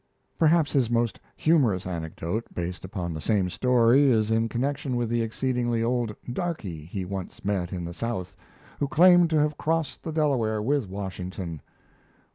Perhaps his most humorous anecdote, based upon the same story, is in connection with the exceedingly old "darky" he once met in the South, who claimed to have crossed the Delaware with Washington.